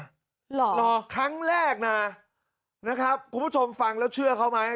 หรอครั้งแรกนะนะครับคุณผู้ชมฟังแล้วเชื่อเขาไหม